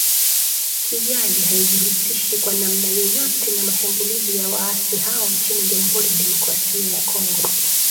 Kigali haijihusishi kwa namna yoyote na mashambulizi ya waasi hao nchini Jamuhuri ya Demokrasia ya Kongo